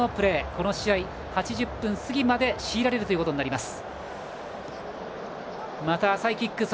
この試合、８０分過ぎまで強いられることになります。